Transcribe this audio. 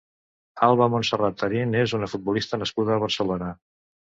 Alba Montserrat Tarín és una futbolista nascuda a Barcelona.